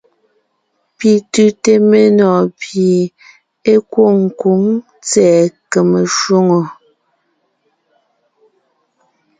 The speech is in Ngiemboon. Pi tʉ́te menɔɔn pie é kwôŋ kwǒŋ tsɛ̀ɛ kème shwòŋo.